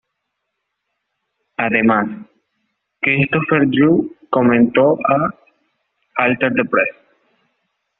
Además, Christofer Drew comentó a "Alter The Press!